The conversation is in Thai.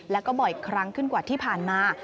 แล้วก็บ่อยครั้งขึ้นกว่าที่ผ่านมา